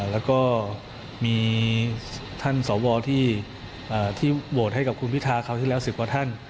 แล้วก็มีท่านสวที่โหวตให้กับคุณพิทาคราวที่แล้ว๑๐กว่าท่าน